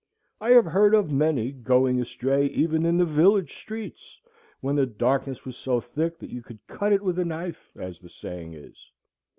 I have heard of many going astray even in the village streets, when the darkness was so thick that you could cut it with a knife, as the saying is.